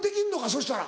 そしたら。